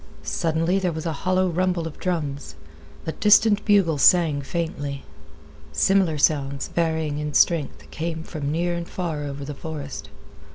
Suddenly there was a hollow rumble of drums. A distant bugle sang faintly. Similar sounds, varying in strength, came from near and far over the forest.